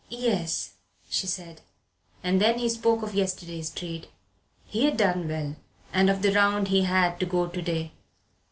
"Yes," she said. And then he spoke of yesterday's trade he had done well; and of the round he had to go to day.